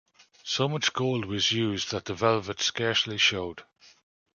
So much gold was used that the velvet scarcely showed.